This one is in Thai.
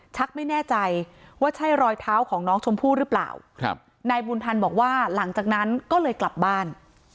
ไม่แน่ใจว่าใช่รอยเท้าของน้องชมพู่หรือเปล่าครับนายบุญพันธ์บอกว่าหลังจากนั้นก็เลยกลับบ้าน